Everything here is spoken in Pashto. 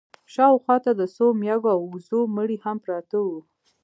شا و خوا ته د څو مېږو او وزو مړي هم پراته وو.